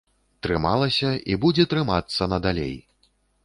Трымалася і будзе трымацца надалей.